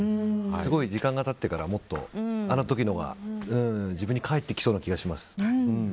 すごい時間が経ってからもっとあの時のが自分に返ってくるような気がします。